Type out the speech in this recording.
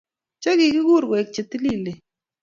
Che kigiguur koek che tiliilen.